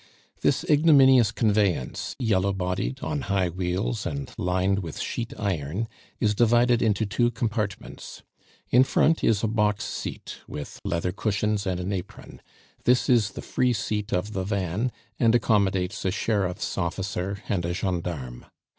This ignominious conveyance, yellow bodied, on high wheels, and lined with sheet iron, is divided into two compartments. In front is a box seat, with leather cushions and an apron. This is the free seat of the van, and accommodates a sheriff's officer and a gendarme.